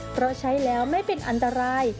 เพราะใช้แล้วไม่เป็นอันตราย